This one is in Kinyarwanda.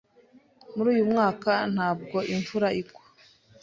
Muri uyu mwaka ntabwo imvura igwa.